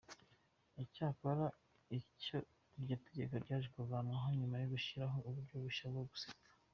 Icyakora iryo tegeko ryaje kuvanwaho nyuma gushyiraho uburyo bushya bwo gusaka.